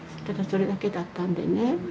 ただそれだけだったんでね。